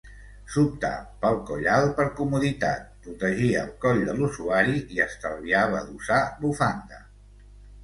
S'optà pel coll alt per comoditat: protegia el coll de l'usuari i estalviava d'usar bufanda.